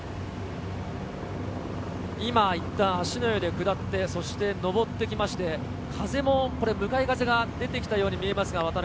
いったん芦之湯で下って、そして上って来まして、風も向かい風が出てきたように見えます。